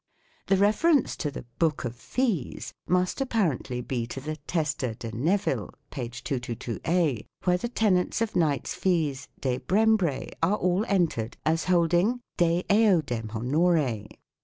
The refer ence to the " Book of Fees " must, apparently, be to the "Testa de Nevill," p. 2220, where the tenants ot knights' fees " de Brembre " are all entered as holding 41 de eodem honore